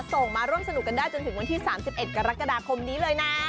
ส่งมาร่วมสนุกกันได้จนถึงวันที่๓๑กรกฎาคมนี้เลยนะ